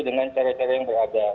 dengan cara cara yang berada